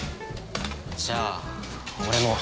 じゃあ俺も。